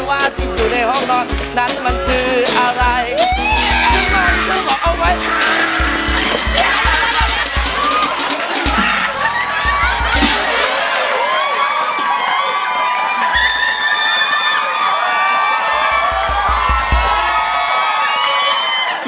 ว่าที่อยู่ในห้องนอนนั้นมันคืออะไร